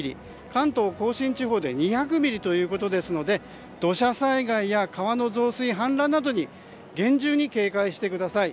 関東・甲信地方で２００ミリということですので土砂災害や川の増水・氾濫などに厳重に警戒してください。